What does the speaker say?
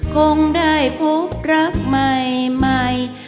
คงได้พบรักใหม่